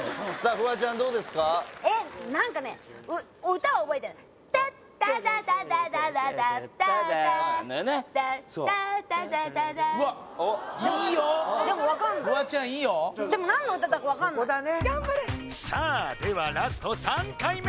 フワちゃんいいよさあではラスト３回目！